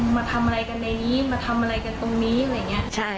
มาทำอะไรกันในนี้มาทำอะไรกันตรงนี้อะไรอย่างเงี้ยใช่